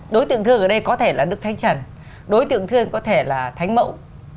đối tượng thiêng ở đây có thể là đức thánh trần đối tượng thiêng có thể là thánh mậu